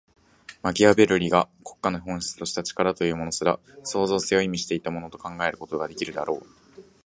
マキアヴェルリが国家の本質とした「力」というものすら、創造性を意味していたものと考えることができるであろう。